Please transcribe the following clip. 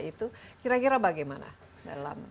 itu kira kira bagaimana